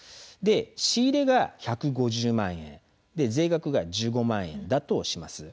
仕入れが１５０万円税額が１５万円だとします。